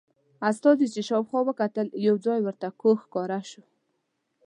استازي چې شاوخوا وکتل یو ځای ورته کوږ ښکاره شو.